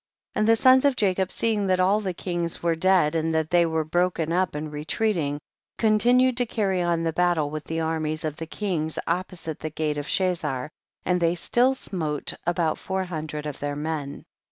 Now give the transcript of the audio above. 7. And the sons of Jacob seeing that all the kings were dead and that they were broken up and retreating, continued to carry on the battle with the armies of the kings opposite the gate of Chazar, and they still smote about four hundred of their men.